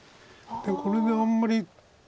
これであんまり。